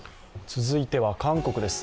続いては韓国です。